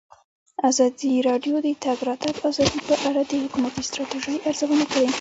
ازادي راډیو د د تګ راتګ ازادي په اړه د حکومتي ستراتیژۍ ارزونه کړې.